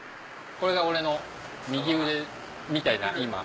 これが俺の右腕みたいな今。